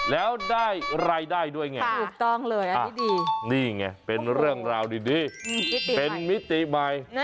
แล้วได้รายได้ด้วยไงนี่ไงเป็นเรื่องราวดีเป็นมิติใหม่